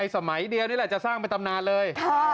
สมัยเดียวนี่แหละจะสร้างเป็นตำนานเลย